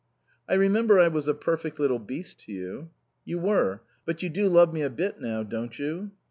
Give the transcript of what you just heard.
"I remember I was a perfect little beast to you." "You were. But you do love me a bit now, don't you?"